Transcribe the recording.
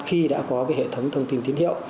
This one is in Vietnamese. khi đã có hệ thống thông tin tín hiệu